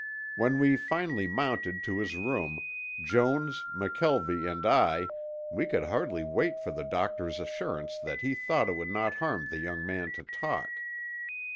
When we finally mounted to his room, Jones, McKelvie and I, we could hardly wait for the doctor's assurance that he thought it would not harm the young man to talk.